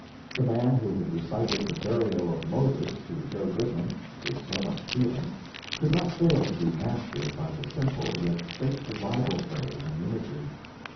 The man who had recited "The Burial of Moses" to Joe Goodman, with so much feeling, could not fail to be mastered by the simple yet stately Bible phrase and imagery.